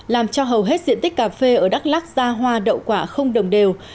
làm cho hầu hết diện tích cà phê ở đắk lắc ra hoa đậu quả không đồng đều